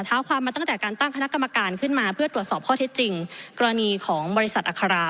เท้าความมาตั้งแต่การตั้งคณะกรรมการขึ้นมาเพื่อตรวจสอบข้อเท็จจริงกรณีของบริษัทอัครา